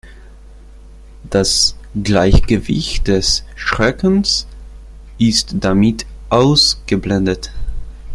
Das Gleichgewicht des Schreckens ist damit ausgeblendet.